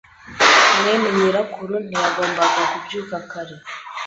mwene nyirakuru ntiyagombaga kubyuka kare.